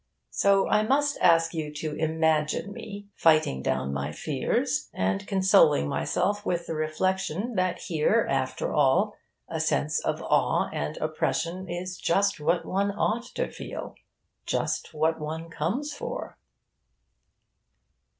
So I must ask you to imagine me fighting down my fears, and consoling myself with the reflection that here, after all, a sense of awe and oppression is just what one ought to feel just what one comes for.